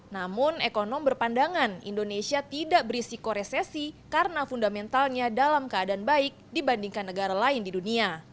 namun ekonom berpandangan indonesia tidak berisiko resesi karena fundamentalnya dalam keadaan baik dibandingkan negara lain di dunia